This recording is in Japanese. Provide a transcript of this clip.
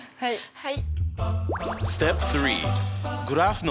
はい。